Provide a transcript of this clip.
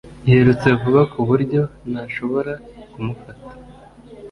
Yirutse vuba ku buryo ntashobora kumufata